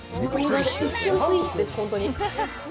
一瞬スイーツです、本当に。